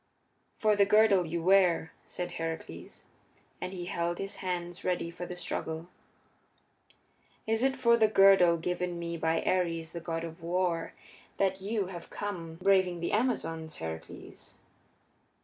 "For the girdle you wear," said Heracles, and he held his hands ready for the struggle. "Is it for the girdle given me by Ares, the god of war, that you have come, braving the Amazons, Heracles?"